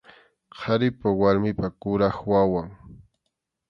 Qharipa warmipa kuraq wawan.